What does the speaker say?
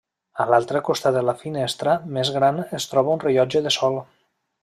A l'altre costat de la finestra més gran es troba un rellotge de sol.